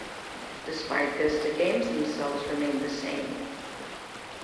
Despite this, the games themselves remain the same.